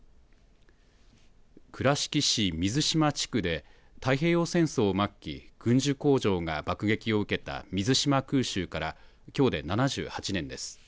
倉敷市水島地区で太平洋戦争末期軍需工場が爆撃を受けた水島空襲からきょうで７８年です。